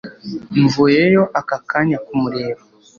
mvuyeyo aka kanya kumureba